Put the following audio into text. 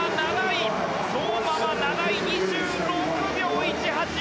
相馬は７位で２６秒１８。